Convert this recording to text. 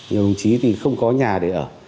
nhiều đồng chí thì không có nhà để ở